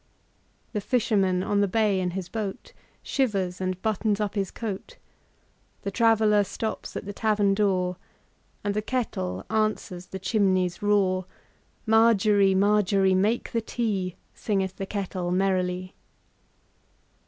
The fisherman on the bay in his boatShivers and buttons up his coat; The traveller stops at the tavern door, And the kettle answers the chimney's roar. Margery, Margery, make the tea, Singeth the kettle merrily.